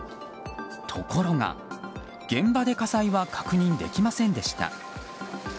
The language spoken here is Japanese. ところが現場で火災は確認できませんでした。